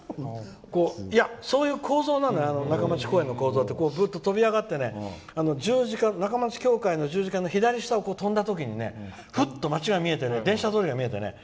そういう構造なんだよぐっと飛び上がって教会の十字架の左下を飛んだ時にふっと街が見えて電車通りが見えてね。